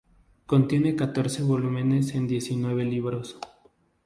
Contiene catorce volúmenes en diecinueve libros.